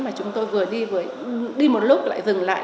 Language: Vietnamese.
mà chúng tôi vừa đi một lúc lại dừng lại